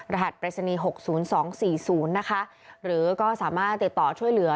รหัสเปรศณีย์หกศูนย์สองสี่ศูนย์นะคะหรือก็สามารถติดต่อช่วยเหลือ